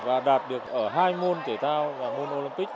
và đạt được ở hai môn thể thao là môn olympic